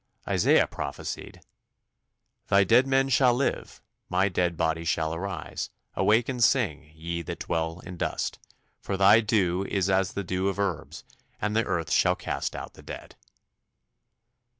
Isaiah prophesied, "Thy dead men shall live, my dead body shall arise. Awake and sing, ye that dwell in dust: for thy dew is as the dew of herbs, and the earth shall cast out the dead."